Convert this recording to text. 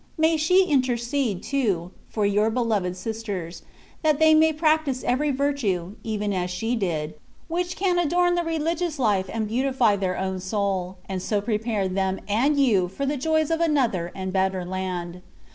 May she intercede, too, for your beloved Sisters, that they may practise every virtue, even as she did, which can adorn the religious life and beautify their own soul, and so pre pare them and you for the joys of another and a better land.